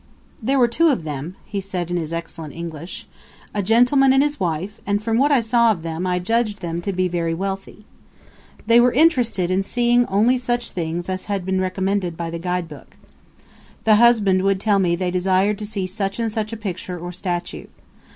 "There were two of them," he said in his excellent English, "a gentleman and his wife; and from what I saw of them I judged them to be very wealthy. They were interested in seeing only such things as had been recommended by the guidebook. The husband would tell me they desired to see such and such a picture or statue.